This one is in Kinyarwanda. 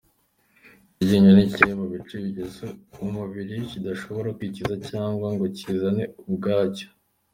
Iryinyo ni kimwe mu bice bigize umubiri kidashobora kwikiza cyangwa ngo kisane ubwacyo.